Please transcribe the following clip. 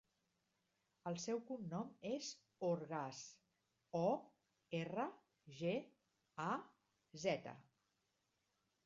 El seu cognom és Orgaz: o, erra, ge, a, zeta.